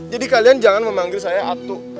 jadi kalian jangan memanggil saya atu